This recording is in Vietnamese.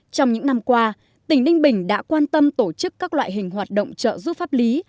trong những năm qua tỉnh ninh bình đã quan tâm tổ chức các loại hình hoạt động trợ giúp pháp lý